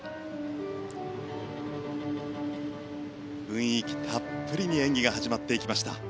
雰囲気たっぷりに演技が始まっていきました。